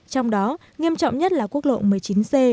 trong đó nghiêm trọng nhất là quốc lộ một mươi chín c